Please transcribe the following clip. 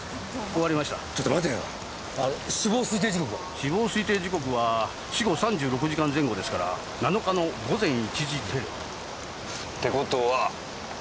死亡推定時刻は死後３６時間前後ですから７日の午前１時程度かと。って事は。